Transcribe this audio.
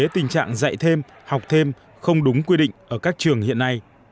tình trạng dạy thêm học thêm không đúng quy định ở các trường hiện nay